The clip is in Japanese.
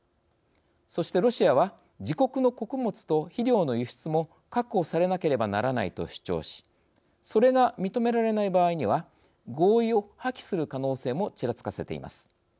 そして、ロシアは自国の穀物と肥料の輸出も確保されなければならないと主張しそれが認められない場合には合意を破棄する可能性もちらつかせています。